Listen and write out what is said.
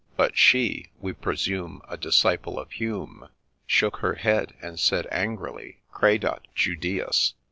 — But she, (we presume, a disciple of Hume,) Shook her head, and said angrily, ' Credat Judaeus